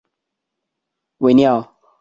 维尼奥。